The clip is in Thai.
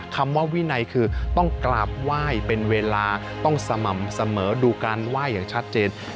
คำว่าวินัยคือต้องกราบไหว้เป็นเวลาต้องสม่ำเสมอดูการไหว้อย่างชัดเจน